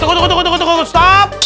tunggu tunggu tunggu stop